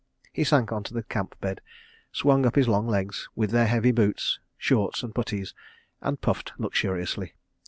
He sank on to the camp bed, swung up his long legs, with their heavy boots, shorts, and puttees and puffed luxuriously.